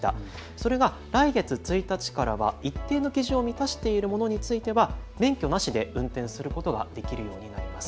それが来月１日からは一定の基準を満たしているものについては免許なしで運転することができるようになります。